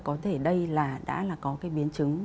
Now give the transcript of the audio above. có thể đây là đã là có cái biến chứng